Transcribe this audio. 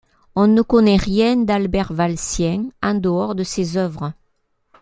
On ne connait rien d'Albert Valsien en dehors de ses œuvres.